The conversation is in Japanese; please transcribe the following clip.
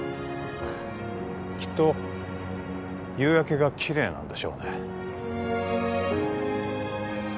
きっと夕焼けがキレイなんでしょうね